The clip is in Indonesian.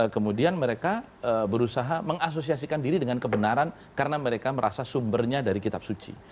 kemudian mereka berusaha mengasosiasikan diri dengan kebenaran karena mereka merasa sumbernya dari kitab suci